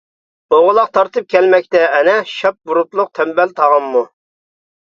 ئوغلاق تارتىپ كەلمەكتە ئەنە، شاپ بۇرۇتلۇق تەمبەل تاغاممۇ.